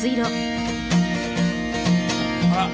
あら。